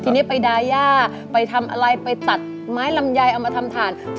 ทีนี้ไปดาย่าไปทำอะไรไปตัดไม้ลำไยเอามาทำถ่าน